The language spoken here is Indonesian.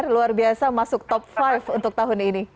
luar biasa masuk top lima untuk tahun ini